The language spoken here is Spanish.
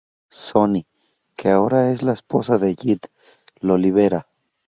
Sonny, que ahora es la esposa de Jed, lo libera.